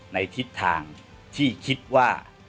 ในทิศทางที่คิดว่า